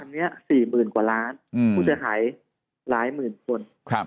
อันนี้๔๐๐๐กว่าล้านผู้เสียหายหลายหมื่นคน